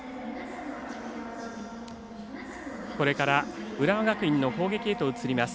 これから浦和学院の攻撃へと移ります。